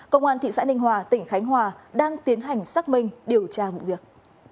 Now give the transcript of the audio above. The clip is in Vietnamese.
công an thị xã ninh hòa tỉnh khánh hòa đang tiến hành xác minh điều tra vụ việc